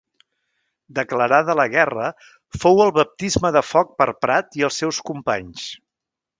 Declarada la guerra, fou el baptisme de foc per Prat i els seus companys.